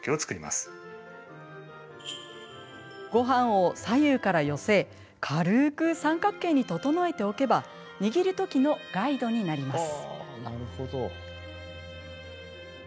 ごはんを左右から寄せ軽く三角形に整えておけば握るときのガイドになります。